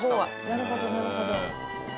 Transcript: なるほどなるほど。